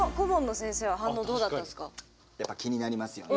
ちなみにやっぱ気になりますよね？